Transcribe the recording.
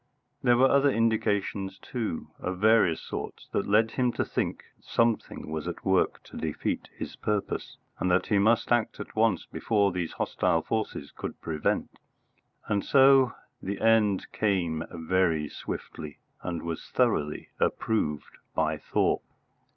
There were other indications too, of various sorts, that led him to think something was at work to defeat his purpose, and that he must act at once before these hostile forces could prevent. And so the end came very swiftly, and was thoroughly approved by Thorpe.